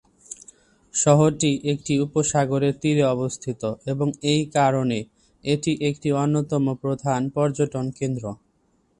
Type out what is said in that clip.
শহরটি একটি উপসাগরের তীরে অবস্থিত, এবং এই কারণে এটি একটি অন্যতম প্রধান পর্যটন কেন্দ্র।